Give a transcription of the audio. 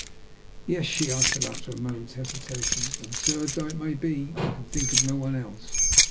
"Yes," she answered after a moment's hesitation. "Absurd though it may be, I can think of no one else.